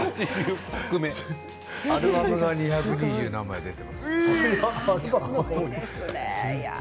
アルバムが２２０何枚出ています。